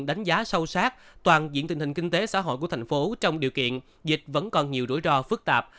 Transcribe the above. đánh giá sâu sát toàn diện tình hình kinh tế xã hội của thành phố trong điều kiện dịch vẫn còn nhiều rủi ro phức tạp